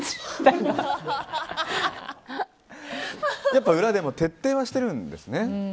やっぱり裏でも徹底はしてるんですね。